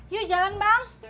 yuk jalan bang